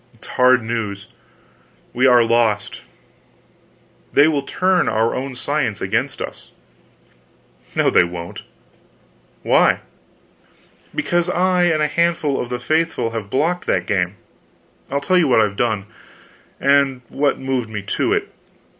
"It's hard news. We are lost. They will turn our own science against us." "No they won't." "Why?" "Because I and a handful of the faithful have blocked that game. I'll tell you what I've done, and what moved me to it.